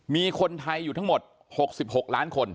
มีคนไทยอยู่ทั้งหมด๖๖ล้านคน